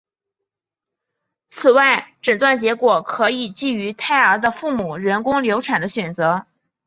此外诊断结果可以给予胎儿的父母人工流产的选择。